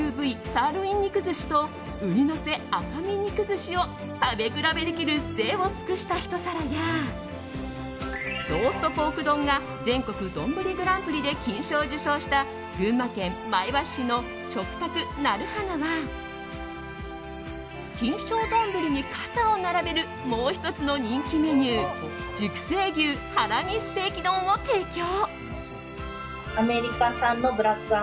サーロイン肉寿司と雲丹のせ赤身肉寿司を食べ比べできるぜいを尽くしたひと皿やローストポーク丼が全国丼グランプリで金賞を受賞した群馬県前橋市の食匠なる花は金賞丼に肩を並べるもう１つの人気メニュー熟成牛ハラミステーキ丼を提供。